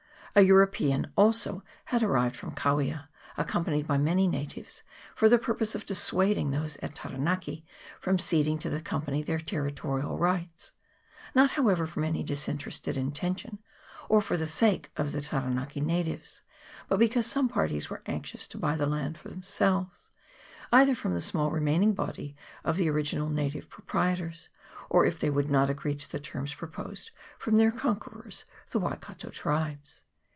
A European also had arrived from Kawia, accompanied by many natives, for the purpose of dissuading those at Taranaki from ceding to the Company their territorial rights ; not, however, from any disinterested intention, or for the sake of the Ta ranaki natives, but because some parties were anxious to buy the land for themselves, either from the small remaining body of the original native proprietors, or, if they would not agree to the terms proposed, from their conquerors, the Waikato tribes.